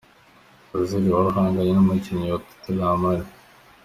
Ozil wari uhanganye nukinnyi wa totenham ali